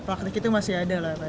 praktik itu masih ada lah